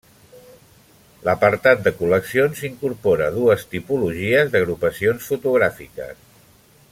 L'apartat de col·leccions incorpora dues tipologies d'agrupacions fotogràfiques.